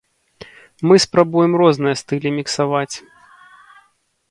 Мы спрабуем розныя стылі міксаваць.